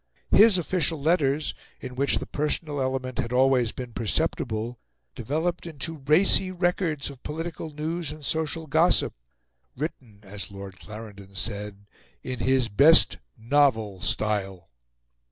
His official letters, in which the personal element had always been perceptible, developed into racy records of political news and social gossip, written, as Lord Clarendon said, "in his best novel style."